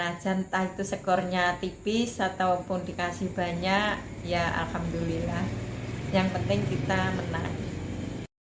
aja entah itu sekornya tipis ataupun dikasih banyak ya alhamdulillah yang penting kita menang